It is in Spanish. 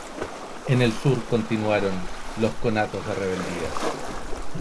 En el sur continuaron los conatos de rebeldía.